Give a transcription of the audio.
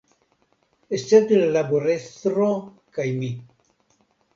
Escepte la laborestro kaj mi.